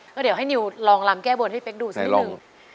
ก็เดี๋ยวให้นิวลองรำแก้บนให้เป๊กดูสักนิดนึง